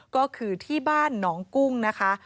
ก็คือที่บ้านหนองกุ้งนะคะ